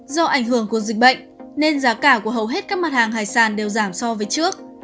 do ảnh hưởng của dịch bệnh nên giá cả của hầu hết các mặt hàng hải sản đều giảm so với trước